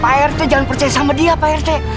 pak rt itu jangan percaya sama dia pak rt